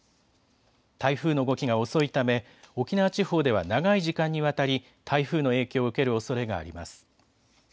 台風の動きが遅いため沖縄地方では長い時間にわたり台風の影響を受けるおそれがあります。